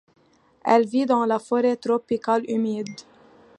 Elle vit dans la forêt tropicale humide.